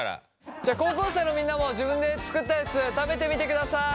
じゃあ高校生のみんなも自分で作ったやつ食べてみてください！